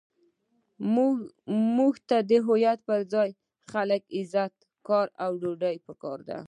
موږ ته د هویت پر ځای خلکو ته عزت، کار، او ډوډۍ پکار ده.